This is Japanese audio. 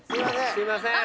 すみません。